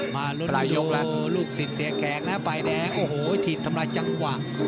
มารุ่นดูลูกศิษย์เสียแขกน่ะไฟแดงโอ้โหทีมทำลายจังหว่า